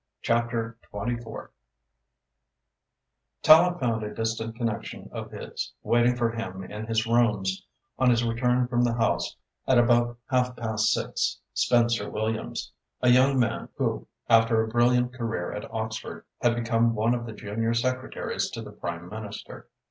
CHAPTER X Tallente found a distant connection of his waiting for him in his rooms, on his return from the House at about half past six, Spencer Williams, a young man who, after a brilliant career at Oxford, had become one of the junior secretaries to the Prime Minister.